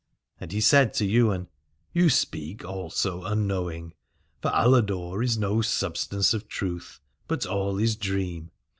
And he said to Ywain : You speak also unknowing, for in Aladore is no substance of truth, but all is dream.